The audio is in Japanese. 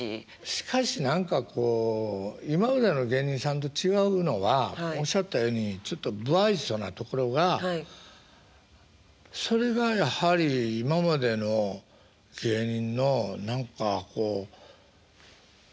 しかし何かこう今までの芸人さんと違うのはおっしゃったようにちょっと無愛想なところがそれがやはり今までの芸人の何かこう枠を変えたっていうかね。